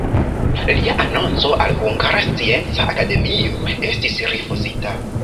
Lia anonco al Hungara Scienca Akademio estis rifuzita.